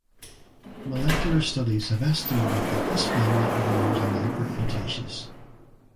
Molecular studies have estimated that this family arose in the Upper Cretaceous.